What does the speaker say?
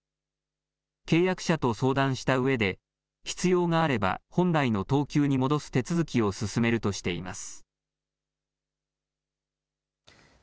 契約者と相談したうえで、必要があれば本来の等級に戻す手続きを進めるとしています。